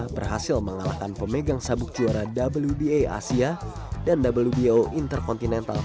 berhasil mengalahkan pemegang sabuk juara wba asia dan wbo intercontinental